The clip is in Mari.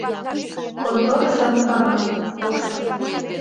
Конторышто мутланат, коштыт.